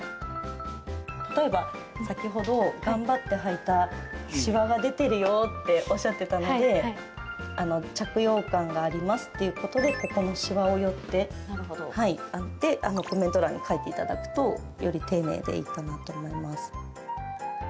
例えば、先ほど頑張ってはいたしわが出てるよっておっしゃってたので着用感がありますっていうことでここの、しわを寄ってコメント欄に書いていただくとより丁寧でいいかなと思います。